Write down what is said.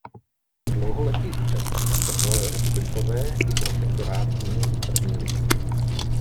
Dlouholetý účastník prvorepublikové i protektorátní první ligy.